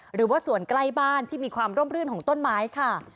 หรือว่าส่วนใกล้บ้านที่มีความร่มรื่นของต้นไม้ค่ะ